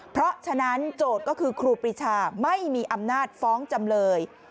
เพราะฉะนั้นโจทย์ก็คือครูปรีชาไม่มีอำนาจฟ้องจำเลย